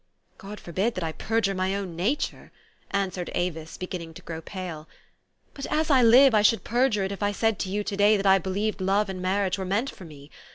"God forbid that I perjure my own nature!", answered Avis, beginning to grow pale. " But, as I live, I should perjure it if I said to you to day that I believed love and marriage were meant for me.